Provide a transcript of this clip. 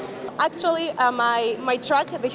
sebenarnya trakku trak kegiatan muda